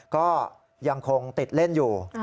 ก็ยังคงติดเล่นอยู่